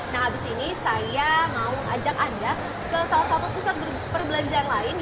nah habis ini saya mau ajak anda ke salah satu pusat perbelanjaan lain